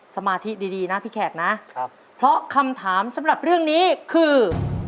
สมาธิดีนะพี่แขกนะเพราะคำถามสำหรับเรื่องนี้คือ